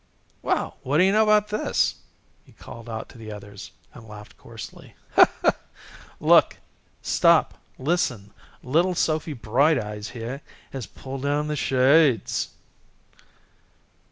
"Well, what do you know about this!" he called out to the others, and laughed coarsely, "Look, stop, listen! Little Sophy Bright Eyes here has pulled down the shades."